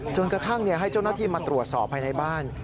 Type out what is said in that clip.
กระทั่งให้เจ้าหน้าที่มาตรวจสอบภายในบ้าน